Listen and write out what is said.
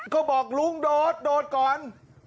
ก็บอกลุงโดดโดดก่อน